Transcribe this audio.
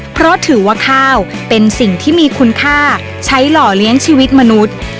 เพราะถือว่าข้าวเป็นสิ่งที่มีคุณค่าใช้หล่อเลี้ยงชีวิตมนุษย์